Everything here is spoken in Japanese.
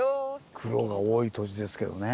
苦労が多い土地ですけどね。